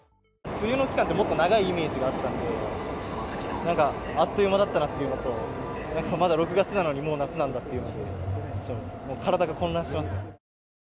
梅雨の期間ってもっと長いイメージがあったので、なんかあっという間だったなというのと、まだ６月なのにもう夏なんだって、もう体が混乱してますね。